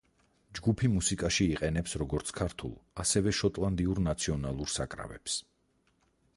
ჯგუფი მუსიკაში იყენებს როგორც ქართულ ასევე შოტლანდიურ ნაციონალურ საკრავებს.